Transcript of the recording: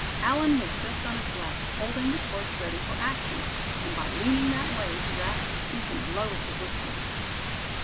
Allan was just on his left, holding the torch ready for action; and by leaning that way Giraffe could speak in the lowest of whispers.